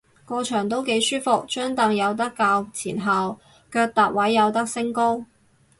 個場都幾舒服，張櫈有得較前後，腳踏位有得升高